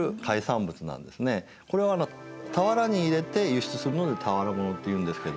これは俵に入れて輸出するので俵物っていうんですけども。